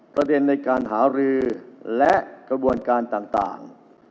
ประเด็นในการหารือและกระบวนการต่าง